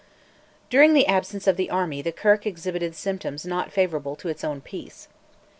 During the absence of the army the Kirk exhibited symptoms not favourable to its own peace.